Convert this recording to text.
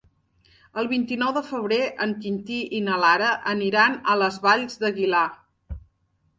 El vint-i-nou de febrer en Quintí i na Lara aniran a les Valls d'Aguilar.